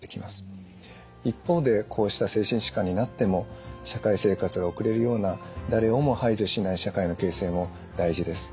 一方でこうした精神疾患になっても社会生活が送れるような誰をも排除しない社会の形成も大事です。